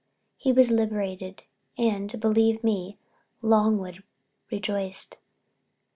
He was liberated, and, believe me, Longwood rejoiced.